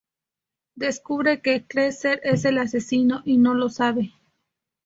Descubre que Kessler es el asesino y no lo sabe.